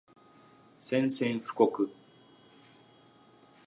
宣戦布告